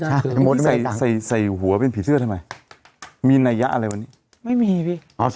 หมดคือใส่ใส่หัวเป็นผีเสื้อทำไมมีหนัยภาพอะไรบ้างไม่มีบิอ๋อ